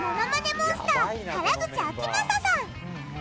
モンスター原口あきまささん。